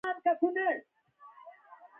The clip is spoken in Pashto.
عقل د خیال لارښوونه کوي.